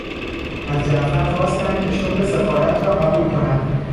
از جعفر خواستند که شغل سفارت را قبول کند.